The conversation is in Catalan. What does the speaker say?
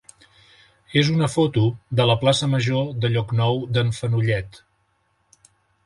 és una foto de la plaça major de Llocnou d'en Fenollet.